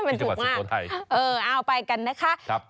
ที่จังหวัดสุโขทัยเออเอาไปกันนะคะครับ